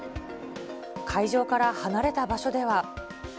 会場から離れた場所では。